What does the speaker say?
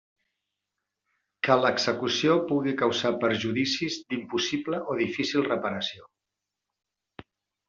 Que l'execució pugui causar perjudicis d'impossible o difícil reparació.